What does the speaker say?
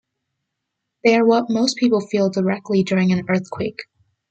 They are what most people feel directly during an earthquake.